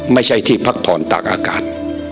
ไม่ใช่ที่พักผ่อนตากอากาศ